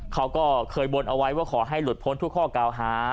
เขาก็เคยบนเอาไว้ว่าขอให้หลุดพ้นทุกข้อกล่าวหา